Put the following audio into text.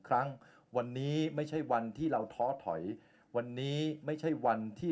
ครั้งวันนี้ไม่ใช่วันที่เราท้อถอยวันนี้ไม่ใช่วันที่